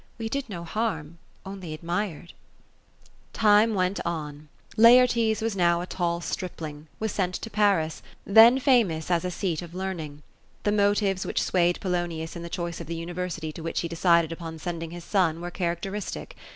We did no harm ; only ad mired." Time went on. Laertes now a tall stripling, was sent to Paris, — then famous as a seat of learning. The motives which swayed Polonius in the choice of the uniTersity to which he decided upon sending his son, were characteristic.